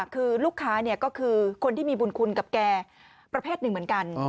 คือลูกค้าก็คือคนที่มีบุญคุณกับแกประเภทหนึ่งเหมือนกัน